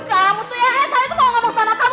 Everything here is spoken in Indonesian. kamu tuh ya saya tuh mau ngomong sama kamu